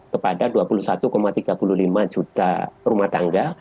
kepada dua puluh satu tiga puluh lima juta rumah tangga